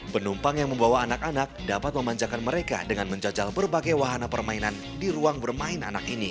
penumpang yang membawa anak anak dapat memanjakan mereka dengan menjajal berbagai wahana permainan di ruang bermain anak ini